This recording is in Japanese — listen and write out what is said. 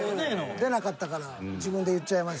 出なかったから自分で言っちゃいました。